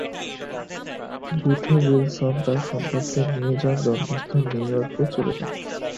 Boothe-Wilson তার সন্তানদের নিয়ে তার জন্মস্থান নিউ ইয়র্কে চলে যান।